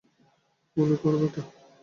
গুলি কর বেটা!